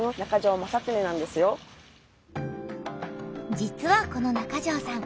実はこの中條さん